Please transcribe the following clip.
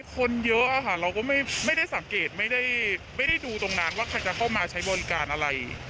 คนเยอะค่ะเราก็ไม่ได้สังเกตไม่ได้ดูตรงนั้นว่าใครจะเข้ามาใช้บริการอะไร